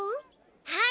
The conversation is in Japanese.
はい。